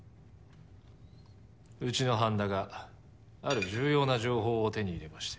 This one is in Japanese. うちの般田がある重要な情報を手に入れまして。